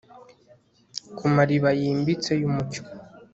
Ku mariba yimbitse yumucyo